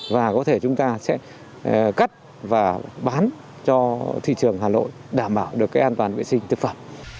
và có thể chúng ta sẽ cắt và bán cho thị trường hà nội đảm bảo được cái an toàn vệ sinh thực phẩm